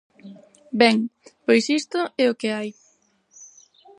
Ben, pois isto é o que hai.